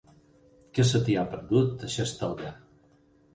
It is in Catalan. Què se t'hi ha perdut, a Xestalgar?